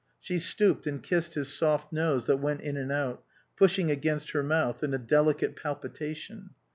She stooped and kissed his soft nose that went in and out, pushing against her mouth, in a delicate palpitation.